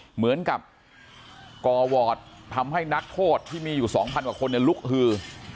เหมือนกับก่อวอร์ดทำให้นักโทษที่มีอยู่๒๐๐กว่าคนลุกฮือ